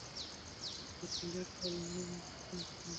ډاکټر میلرډ وايي، لمریز نظام لا هم فعال دی.